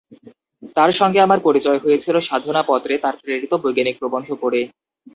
তাঁর সঙ্গে আমার পরিচয় হয়েছিল সাধনা পত্রে তাঁর প্রেরিত বৈজ্ঞানিক প্রবন্ধ পড়ে।